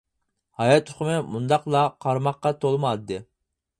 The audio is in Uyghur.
ھايات ئۇقۇمى مۇنداقلا قارىماققا تولىمۇ ئاددىي.